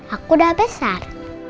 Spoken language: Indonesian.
aku udah besar